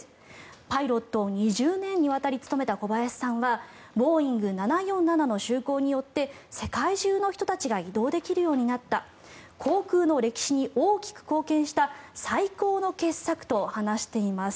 パイロットを２０年にわたり務めた小林さんはボーイング７４７の就航によって世界中の人たちが移動できるようになった航空の歴史に大きく貢献した最高の傑作と話しています。